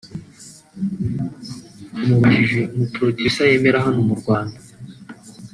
tumubajije umu Producer yemera hano mu Rwanda